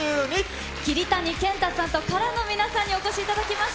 桐谷健太さんとＫＡＲＡの皆さんにお越しいただきました。